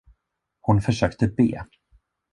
Hon försökte be.